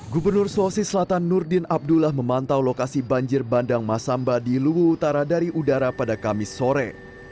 gubernur sulawesi selatan nurdin abdullah memantau lokasi banjir bandang masamba di lubu utara dari udara pada kamis sore